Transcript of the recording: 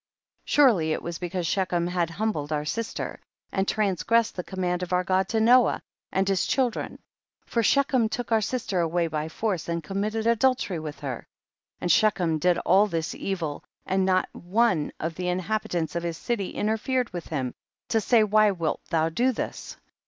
Surely it was because Shechem had hum bled our sister, and transgressed the command of our (xod to Noah and his children, for Shechem took our sister away by force, and committed adultery xoitk her. 53. And Shechem did all this evil and not one of the inhabitants of his city interfered with him, to say, why wilt thou do this